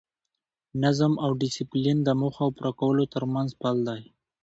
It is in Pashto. نظم او ډیسپلین د موخو او پوره کولو ترمنځ پل دی.